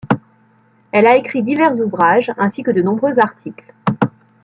Elle a écrit divers ouvrages, ainsi que de nombreux articles.